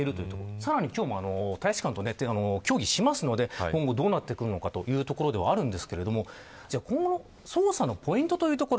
さらに今日も大使館と協議するので今後どうなってくるのかというところではあるんですが今後の捜査のポイントというところ。